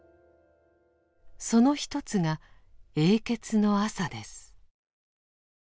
その一つが「永訣の朝」です。